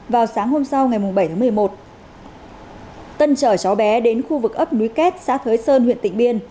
vào sáng hôm sau ngày bảy tháng một mươi một tân chở cháu bé đến khu vực ấp núi kết xã thới sơn huyện tịnh biên